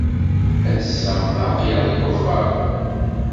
Ass-a, aql-aɣ deg uxxam.